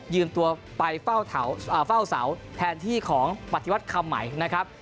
ตัวไปเฝ้าเสาแทนที่ของปฏิวัติคำใหม่นะครับ